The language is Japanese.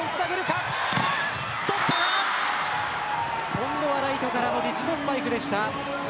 今度はライトからモジッチのスパイクでした。